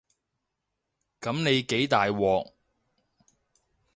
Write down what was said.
噉你幾大鑊